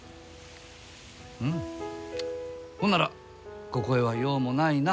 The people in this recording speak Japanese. うんほんならここへは用もないな。